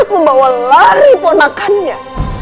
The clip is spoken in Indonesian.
membawa lari ponakannya